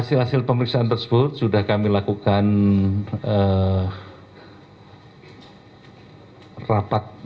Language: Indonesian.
setelah telah diserahkan oleh kpu hashim ashari